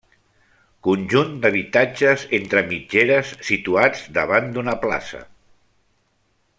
Conjunt d'habitatges entre mitgeres, situats davant d'una plaça.